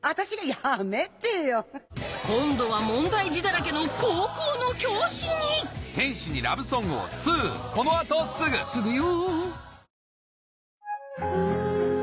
やめてよ。今度は問題児だらけの高校の教師にすぐよ！